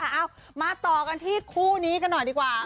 เอามาต่อกันที่คู่นี้กันหน่อยดีกว่า